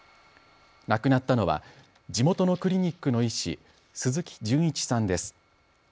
亡くなったのは地元のクリニックの医師、鈴木純一さんです。